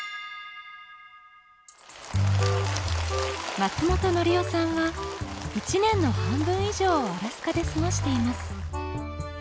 松本紀生さんは１年の半分以上をアラスカで過ごしています